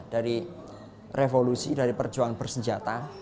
dari revolusi dari perjuangan bersenjata